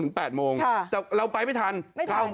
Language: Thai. แต่เราไปไม่ทันไม่ทัน